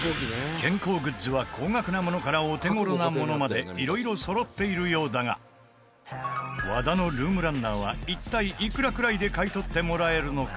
健康グッズは高額なものからお手頃なものまでいろいろそろっているようだが和田のルームランナーは一体、いくらくらいで買い取ってもらえるのか？